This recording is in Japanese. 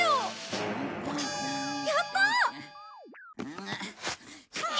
やったあ！